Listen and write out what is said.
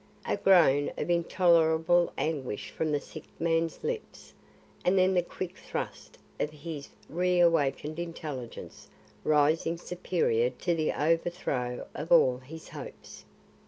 A groan of intolerable anguish from the sick man's lips, and then the quick thrust of his re awakened intelligence rising superior to the overthrow of all his hopes.